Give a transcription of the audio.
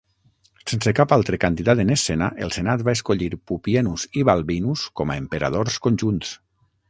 Sense cap altre candidat en escena, el senat va escollir Pupienus i Balbinus com a emperadors conjunts.